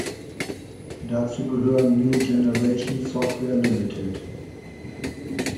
Dazu gehören "New Generation Software Ltd.